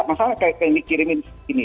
masalah kayak ini kirimin ini